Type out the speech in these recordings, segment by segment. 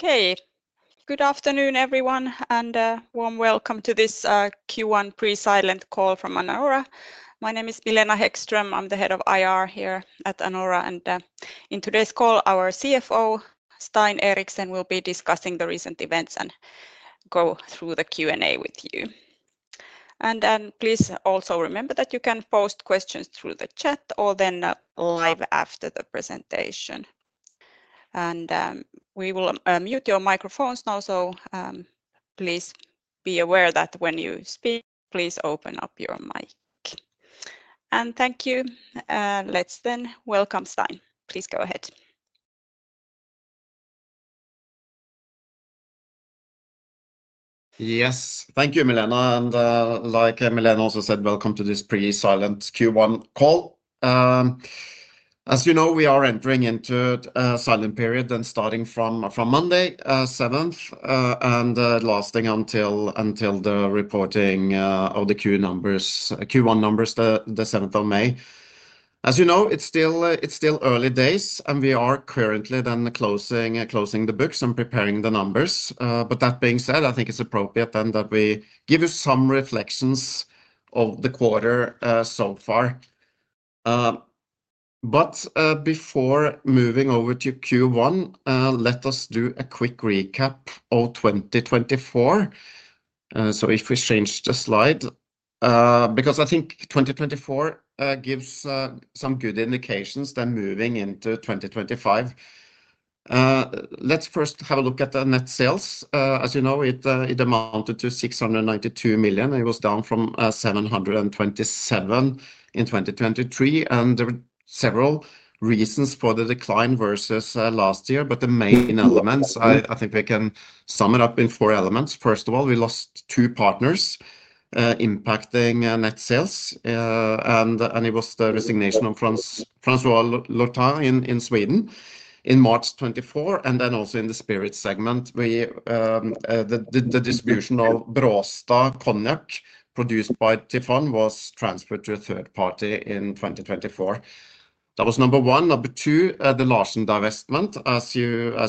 Okay, good afternoon everyone, and a warm welcome to this Q1 pre-silent call from Anora. My name is Milena Hæggström. I'm the head of IR here at Anora, and in today's call, our CFO, Stein Eriksen, will be discussing the recent events and go through the Q&A with you. Please also remember that you can post questions through the chat or then live after the presentation. We will mute your microphones now, so please be aware that when you speak, please open up your mic. Thank you. Let's then welcome Stein. Please go ahead. Yes, thank you, Milena. Like Milena also said, welcome to this pre-silent Q1 call. As you know, we are entering into a silent period starting from Monday, 7th, and lasting until the reporting of the Q1 numbers the 7th of May. As you know, it's still early days, and we are currently closing the books and preparing the numbers. That being said, I think it's appropriate that we give you some reflections of the quarter so far. Before moving over to Q1, let us do a quick recap of 2024. If we change the slide, I think 2024 gives some good indications moving into 2025. Let's first have a look at the net sales. As you know, it amounted to 692 million. It was down from 727 million in 2023. There were several reasons for the decline versus last year, but the main elements, I think we can sum it up in four elements. First of all, we lost two partners impacting net sales, and it was the resignation of François Lurton in Sweden in March 2024. Also, in the spirits segment, the distribution of Braastad Cognac produced by Tiffon was transferred to a third party in 2024. That was number one. Number two, the Larsen divestment. As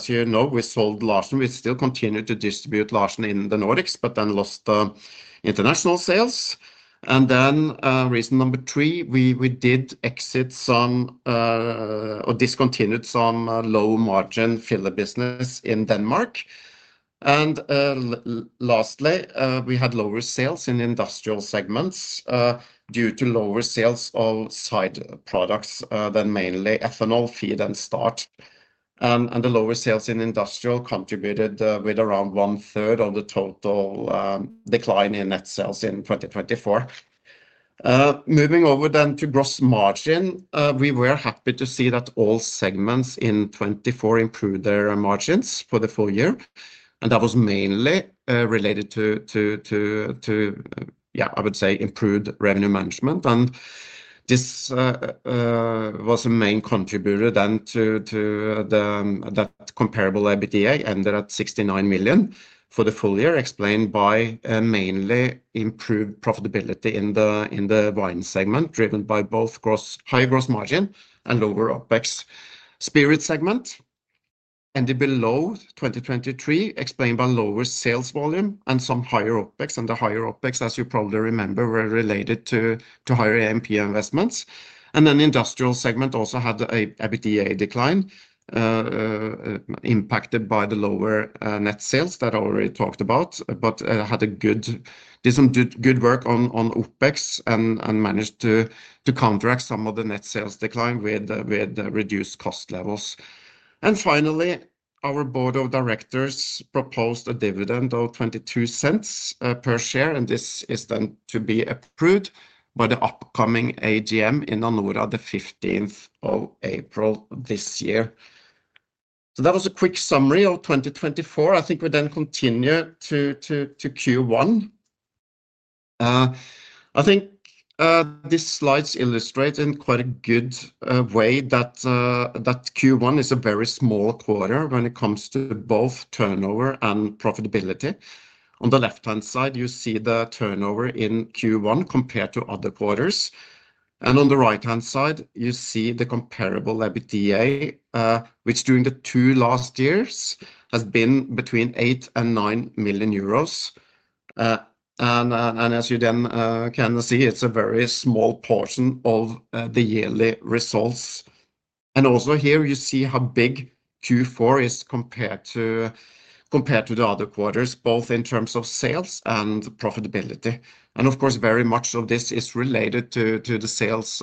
you know, we sold Larsen. We still continue to distribute Larsen in the Nordics, but then lost the international sales. Reason number three, we did exit some or discontinued some low-margin filler business in Denmark. Lastly, we had lower sales in industrial segments due to lower sales of side products, mainly ethanol, feed, and starch. The lower sales in industrial contributed with around 1/3 of the total decline in net sales in 2024. Moving over to gross margin, we were happy to see that all segments in 2024 improved their margins for the full year. That was mainly related to, yeah, I would say improved revenue management. This was a main contributor to that comparable EBITDA ended at 69 million for the full year, explained by mainly improved profitability in the wine segment driven by both higher gross margin and lower OpEx. The spirit segment ended below 2023, explained by lower sales volume and some higher OpEx. The higher OpEx, as you probably remember, were related to higher A&P investments. The industrial segment also had an EBITDA decline impacted by the lower net sales that I already talked about, but had a good, did some good work on OpEx and managed to counteract some of the net sales decline with reduced cost levels. Finally, our board of directors proposed a dividend of 0.22 per share, and this is then to be approved by the upcoming AGM in Anora on the 15th of April this year. That was a quick summary of 2024. I think we then continue to Q1. I think these slides illustrate in quite a good way that Q1 is a very small quarter when it comes to both turnover and profitability. On the left-hand side, you see the turnover in Q1 compared to other quarters. On the right-hand side, you see the comparable EBITDA, which during the two last years has been between 8 million and 9 million euros. As you then can see, it's a very small portion of the yearly results. Also here you see how big Q4 is compared to the other quarters, both in terms of sales and profitability. Of course, very much of this is related to the sales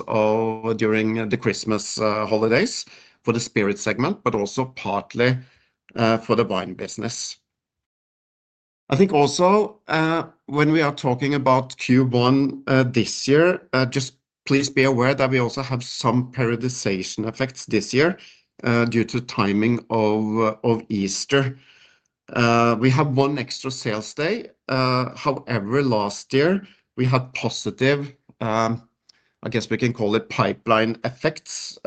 during the Christmas holidays for the spirit segment, but also partly for the wine business. I think also when we are talking about Q1 this year, just please be aware that we also have some periodization effects this year due to timing of Easter. We have one extra sales day. However, last year we had positive, I guess we can call it pipeline effects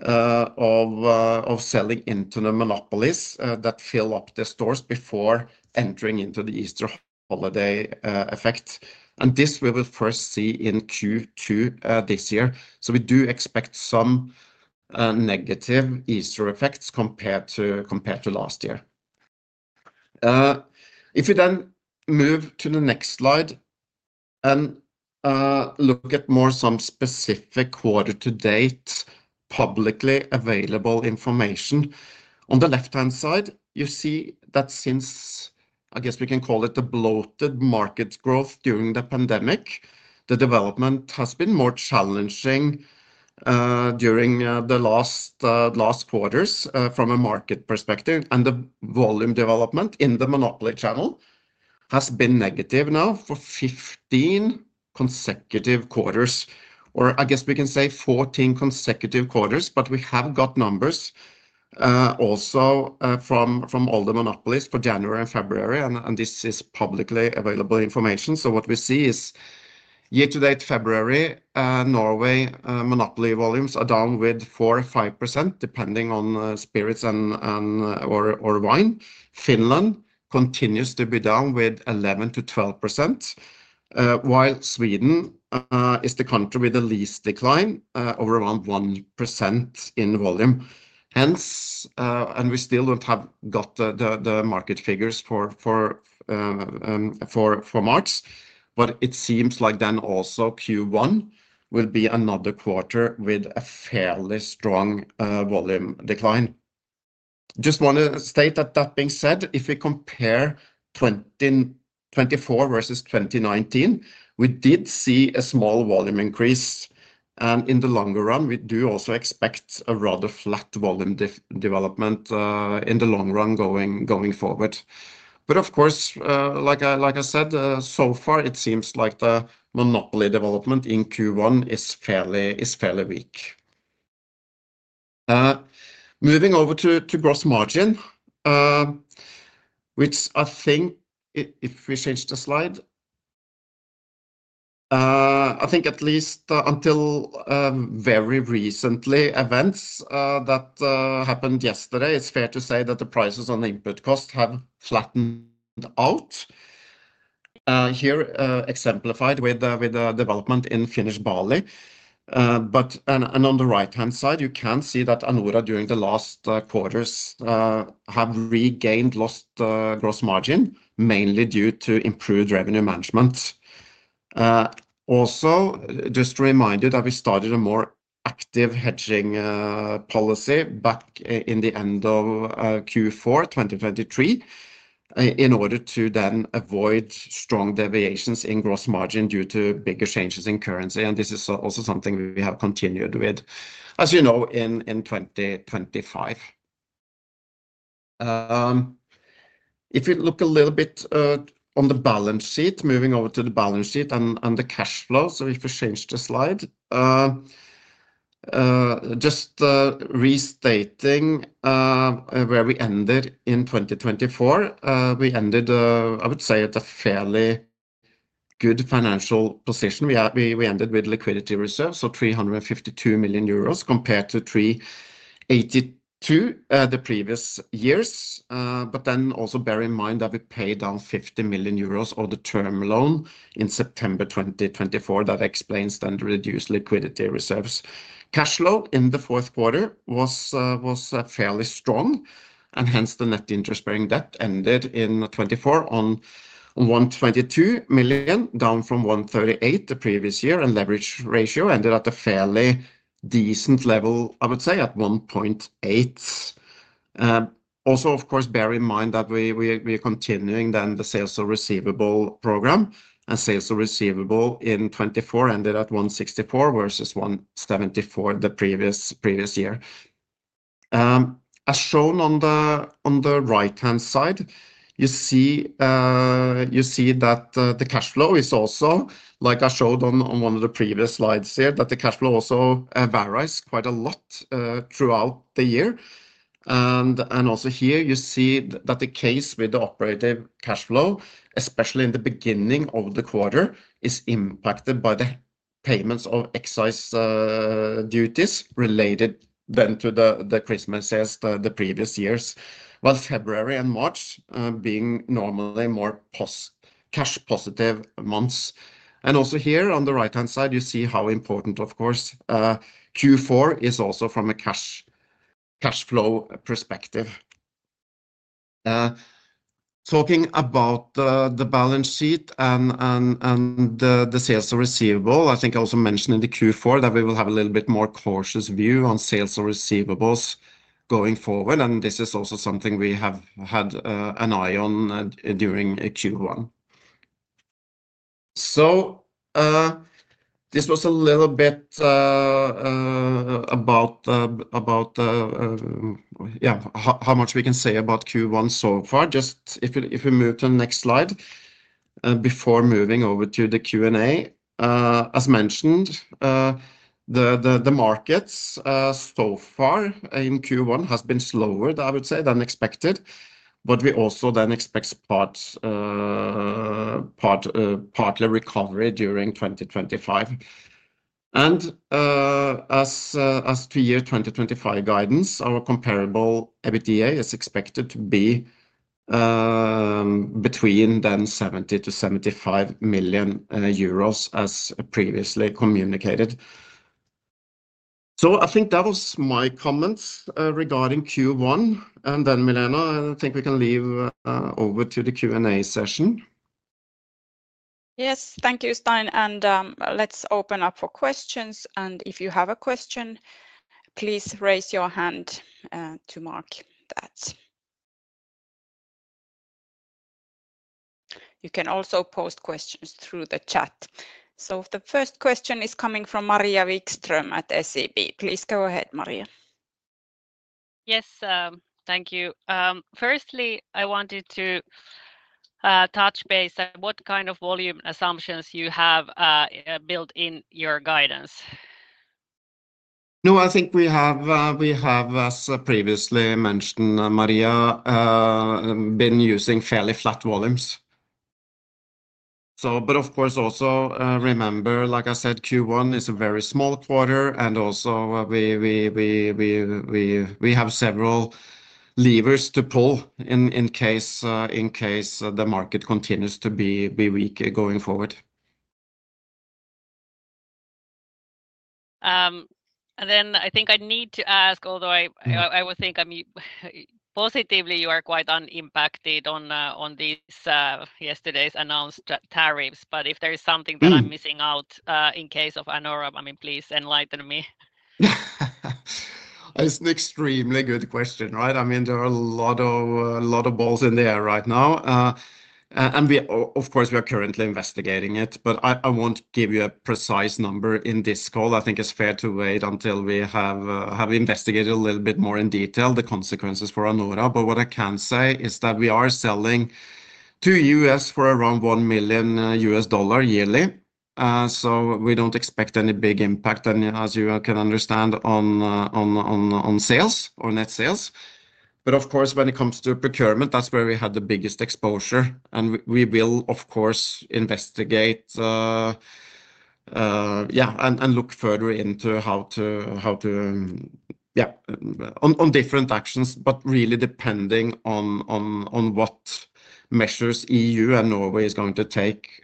of selling into the monopolies that fill up the stores before entering into the Easter holiday effect. This we will first see in Q2 this year. We do expect some negative Easter effects compared to last year. If you then move to the next slide and look at more some specific quarter-to-date publicly available information, on the left-hand side, you see that since, I guess we can call it the bloated market growth during the pandemic, the development has been more challenging during the last quarters from a market perspective. The volume development in the monopoly channel has been negative now for 15 consecutive quarters, or I guess we can say 14 consecutive quarters, but we have got numbers also from all the monopolies for January and February. This is publicly available information. What we see is year-to-date February, Norway monopoly volumes are down 4%-5%, depending on spirits or wine. Finland continues to be down 11%-12%, while Sweden is the country with the least decline, over around 1% in volume. Hence, we still do not have the market figures for March, but it seems like Q1 will be another quarter with a fairly strong volume decline. Just want to state that being said, if we compare 2024 versus 2019, we did see a small volume increase. In the longer run, we do also expect a rather flat volume development in the long run going forward. Of course, like I said, so far it seems like the monopoly development in Q1 is fairly weak. Moving over to gross margin, which I think if we change the slide, I think at least until very recently events that happened yesterday, it's fair to say that the prices on the input cost have flattened out. Here exemplified with the development in Finnish barley. On the right-hand side, you can see that Anora during the last quarters have regained lost gross margin, mainly due to improved revenue management. Also, just reminded that we started a more active hedging policy back in the end of Q4 2023 in order to then avoid strong deviations in gross margin due to bigger changes in currency. This is also something we have continued with, as you know, in 2025. If you look a little bit on the balance sheet, moving over to the balance sheet and the cash flow. If we change the slide, just restating where we ended in 2024, we ended, I would say, at a fairly good financial position. We ended with liquidity reserves, 352 million euros compared to 382 million the previous year. Also bear in mind that we paid down 50 million euros of the term loan in September 2024. That explains the reduced liquidity reserves. Cash flow in the fourth quarter was fairly strong. Hence the net interest-bearing debt ended in 2024 on 122 million, down from 138 million the previous year. The leverage ratio ended at a fairly decent level, I would say, at 1.8. Also, of course, bear in mind that we are continuing the sales of receivables program. Sales of receivables in 2024 ended at 164 million versus 174 million the previous year. As shown on the right-hand side, you see that the cash flow is also, like I showed on one of the previous slides here, that the cash flow also varies quite a lot throughout the year. You see that the case with the operative cash flow, especially in the beginning of the quarter, is impacted by the payments of excise duties related then to the Christmas sales the previous years, while February and March being normally more cash-positive months. You see how important, of course, Q4 is also from a cash flow perspective. Talking about the balance sheet and the sales of receivables, I think I also mentioned in Q4 that we will have a little bit more cautious view on sales of receivables going forward. This is also something we have had an eye on during Q1. This was a little bit about how much we can say about Q1 so far. If we move to the next slide before moving over to the Q&A, as mentioned, the markets so far in Q1 have been slower, I would say, than expected. We also then expect partly recovery during 2025. As to year 2025 guidance, our comparable EBITDA is expected to be between 70 million-75 million euros as previously communicated. I think that was my comments regarding Q1. Milena, I think we can leave over to the Q&A session. Yes, thank you, Stein. Let's open up for questions. If you have a question, please raise your hand to mark that. You can also post questions through the chat. The first question is coming from Maria Wikström at SEB. Please go ahead, Maria. Yes, thank you. Firstly, I wanted to touch base at what kind of volume assumptions you have built in your guidance. No, I think we have, as previously mentioned, Maria, been using fairly flat volumes. Of course, also remember, like I said, Q1 is a very small quarter. Also we have several levers to pull in case the market continues to be weak going forward. I think I need to ask, although I would think positively you are quite unimpacted on these yesterday's announced tariffs. If there is something that I'm missing out in case of Anora, I mean, please enlighten me. It's an extremely good question, right? I mean, there are a lot of balls in there right now. Of course, we are currently investigating it. I won't give you a precise number in this call. I think it's fair to wait until we have investigated a little bit more in detail the consequences for Anora. What I can say is that we are selling to the U.S. for around $1 million yearly. We do not expect any big impact, as you can understand, on sales or net sales. Of course, when it comes to procurement, that's where we had the biggest exposure. We will, of course, investigate and look further into how to, on different actions, but really depending on what measures EU and Norway are going to take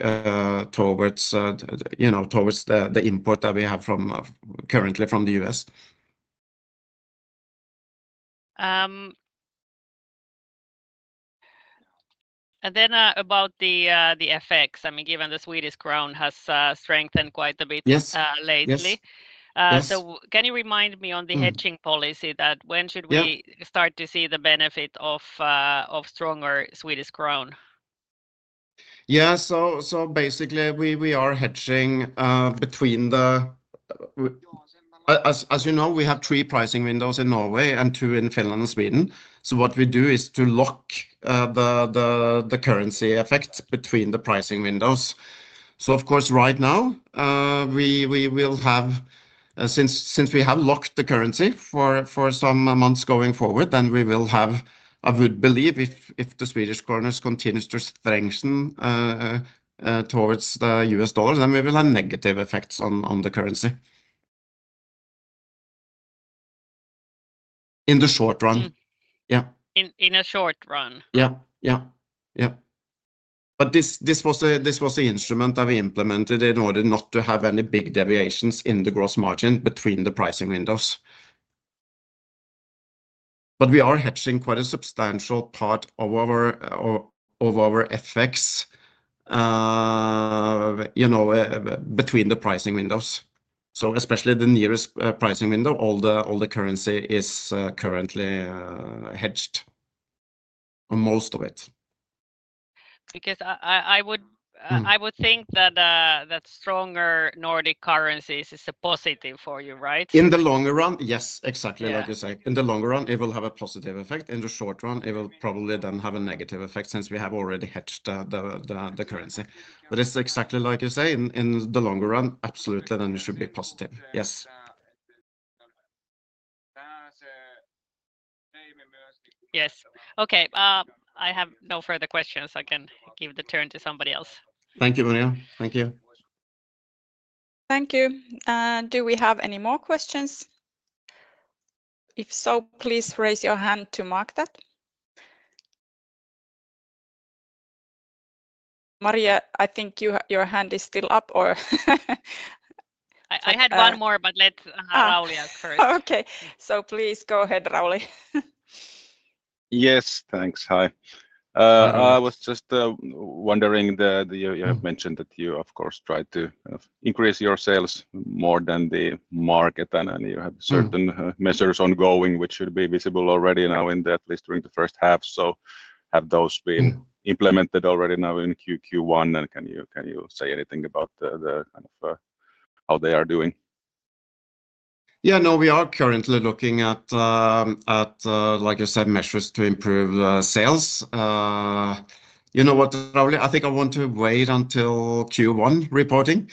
towards the import that we have currently from the U.S. About the FX, I mean, given the Swedish krona has strengthened quite a bit lately. Can you remind me on the hedging policy, when should we start to see the benefit of stronger Swedish krona? Yeah, so basically we are hedging between the, as you know, we have three pricing windows in Norway and two in Finland and Sweden. What we do is to lock the currency effect between the pricing windows. Of course, right now, we will have, since we have locked the currency for some months going forward, we will have, I would believe, if the Swedish krona continues to strengthen towards the U.S. dollar, we will have negative effects on the currency in the short run. In a short run. Yeah, yeah, yeah. This was the instrument that we implemented in order not to have any big deviations in the gross margin between the pricing windows. We are hedging quite a substantial part of our FX between the pricing windows. Especially the nearest pricing window, all the currency is currently hedged, most of it. Because I would think that stronger Nordic currencies is a positive for you, right? In the longer run, yes, exactly like you say. In the longer run, it will have a positive effect. In the short run, it will probably then have a negative effect since we have already hedged the currency. But it's exactly like you say, in the longer run, absolutely then it should be positive. Yes. Yes. Okay. I have no further questions. I can give the turn to somebody else. Thank you, Maria. Thank you. Thank you. Do we have any more questions? If so, please raise your hand to mark that. Maria, I think your hand is still up or? I had one more, but let's Rauli ask first. Okay. Please go ahead, Rauli. Yes, thanks. Hi. I was just wondering, you have mentioned that you, of course, try to increase your sales more than the market, and you have certain measures ongoing, which should be visible already now, at least during the first half. Have those been implemented already now in Q1? Can you say anything about how they are doing? Yeah, no, we are currently looking at, like you said, measures to improve sales. You know what, Rauli? I think I want to wait until Q1 reporting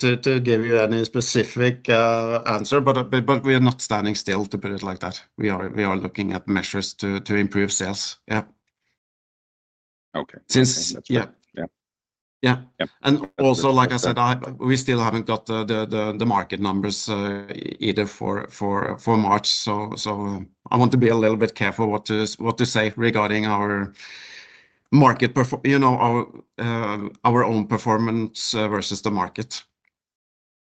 to give you any specific answer, but we are not standing still, to put it like that. We are looking at measures to improve sales. Yeah. Okay. Yeah. Yeah. Also, like I said, we still have not got the market numbers either for March. I want to be a little bit careful what to say regarding our market, our own performance versus the market.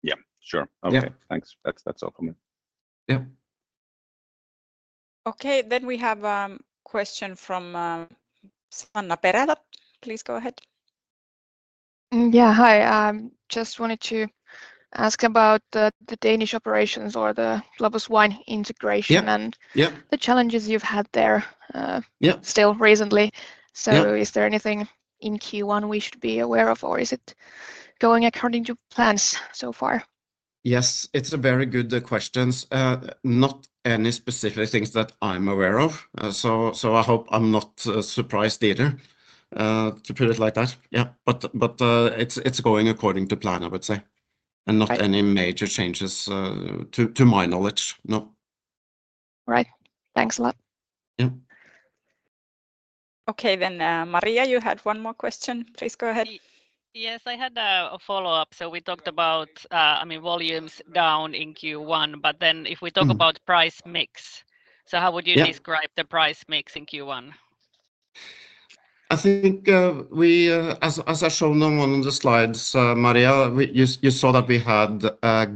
Yeah, sure. Okay. Thanks. That's all from me. Yeah. Okay. Then we have a question from Sanna Perälä. Please go ahead. Yeah, hi. Just wanted to ask about the Danish operations or the Globus Wine integration and the challenges you've had there still recently. Is there anything in Q1 we should be aware of, or is it going according to plans so far? Yes, it's a very good question. Not any specific things that I'm aware of. I hope I'm not surprised either, to put it like that. Yeah. It's going according to plan, I would say. Not any major changes to my knowledge. No. Right. Thanks a lot. Yeah. Okay, Maria, you had one more question. Please go ahead. Yes, I had a follow-up. We talked about, I mean, volumes down in Q1, but then if we talk about price mix, how would you describe the price mix in Q1? I think, as I showed on the slides, Maria, you saw that we had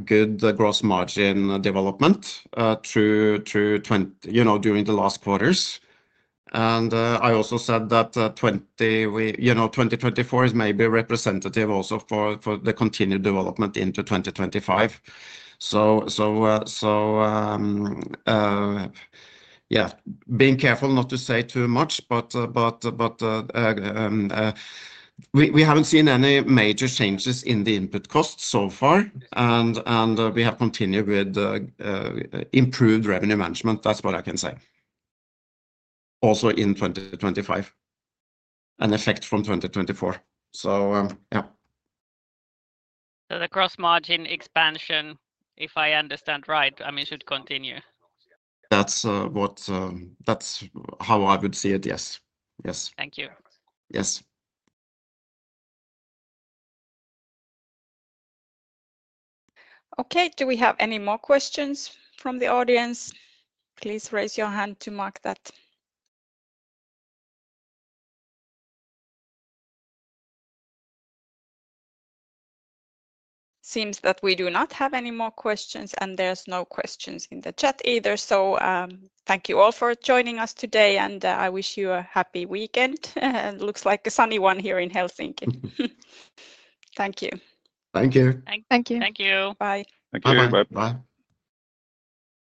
good gross margin development during the last quarters. I also said that 2024 is maybe representative also for the continued development into 2025. Yeah, being careful not to say too much, but we have not seen any major changes in the input costs so far. We have continued with improved revenue management. That is what I can say. Also in 2025, an effect from 2024. Yeah. The gross margin expansion, if I understand right, should continue. That is how I would see it. Yes. Yes. Thank you. Yes. Okay. Do we have any more questions from the audience? Please raise your hand to mark that. It seems that we do not have any more questions, and there are no questions in the chat either. Thank you all for joining us today, and I wish you a happy weekend. It looks like a sunny one here in Helsinki. Thank you.